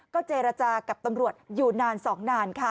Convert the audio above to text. เจรจากับตำรวจอยู่นาน๒นานค่ะ